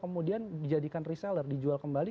kemudian dijadikan reseller dijual kembali